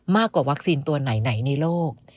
มากกว่าวัคซีนตัวไหนในโลก